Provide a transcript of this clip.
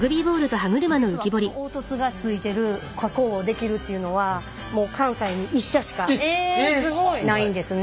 実はこの凹凸がついてる加工をできるっていうのはもう関西に１社しかないんですね。